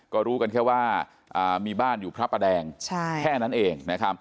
ก็รู้กันแค่ว่ามีบ้านอยู่พระประแดงแค่นั้นเอง